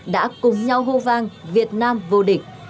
đã cùng nhau hô vang việt nam vô địch